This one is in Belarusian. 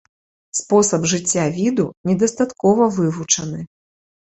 Спосаб жыцця віду недастаткова вывучаны.